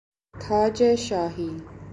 تاج شاهی